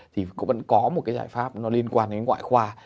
thì cũng vẫn có một cái giải pháp nó liên quan đến ngoại khoa